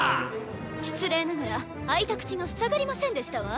失礼ながら開いた口が塞がりませんでしたわ。